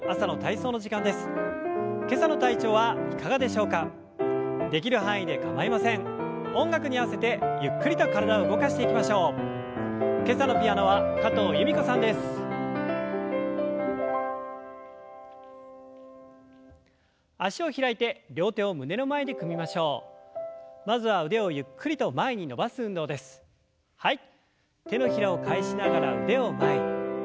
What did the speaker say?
手のひらを返しながら腕を前に。